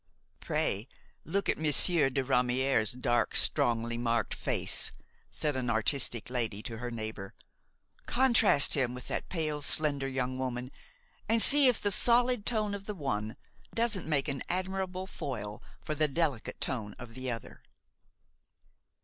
"Pray look at Monsieur de Ramière's dark, strongly marked face," said an artistic lady to her neighbor. "Contrast him with that pale, slender young woman, and see if the solid tone of the one doesn't make an admirable foil for the delicate tone of the other."